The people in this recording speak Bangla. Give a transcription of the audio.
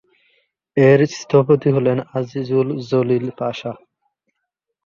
এর স্থপতি হলেন আজিজুল জলিল পাশা।